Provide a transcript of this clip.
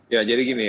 ya jadi gini